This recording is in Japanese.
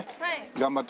頑張って。